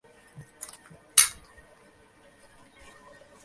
যতই বয়োবৃদ্ধি হইতেছে, ততই এই প্রাচীন প্রথাগুলি আমার ভাল বলিয়া বোধ হইতেছে।